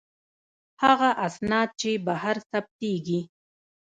هغه اسناد چې بهر ثبتیږي.